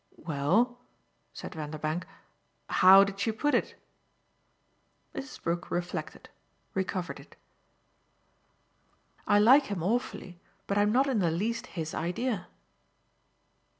"Well," said Vanderbank, "how did she put it?" Mrs. Brook reflected recovered it. "'I like him awfully, but I am not in the least HIS idea.